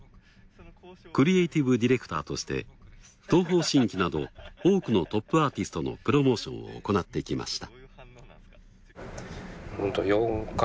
クリエイティブディレクターとして東方神起など多くのトップアーティストのプロモーションを行ってきました。